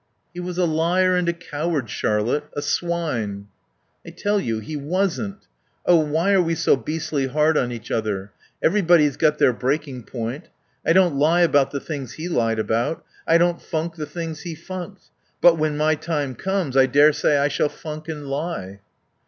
"He was a liar and a coward, Charlotte; a swine." "I tell you he wasn't. Oh, why are we so beastly hard on each other? Everybody's got their breaking point. I don't lie about the things he lied about; I don't funk the things he funked. But when my time comes I daresay I shall funk and lie."